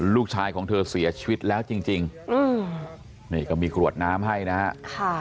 ลูกชายของเธอเสียชีวิตแล้วจริงจริงอืมนี่ก็มีกรวดน้ำให้นะฮะ